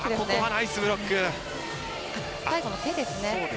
最後の手ですね。